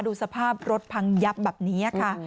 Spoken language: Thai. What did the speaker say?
ดูสภาพรถพังยับแบบนี้ค่ะ